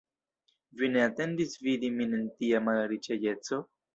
Vi ne atendis vidi min en tia malriĉegeco?